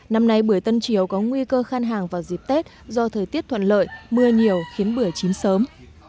năm nay bưởi tân triều có nguy cơ khan hàng vào dịp tết do thời tiết thuận lợi mưa nhiều khiến bưởi chín sớm